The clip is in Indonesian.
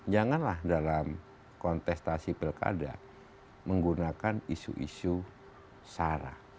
janganlah dalam kontestasi pilkada menggunakan isu isu sara